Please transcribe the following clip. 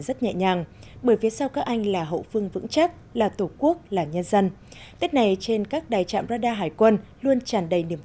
xin chào và hẹn gặp lại